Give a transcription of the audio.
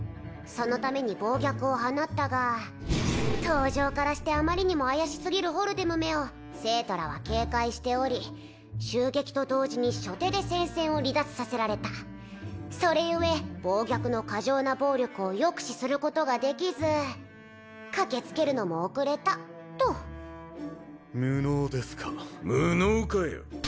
そのために暴虐を放ったが登場からしてあまりにも怪しすぎるホルデムめを生徒らは警戒しており襲撃と同時に初手で戦線を離脱させられたそれゆえ暴虐の過剰な暴力を抑止することができず駆けつけるのも遅れたと無能ですか無能かよ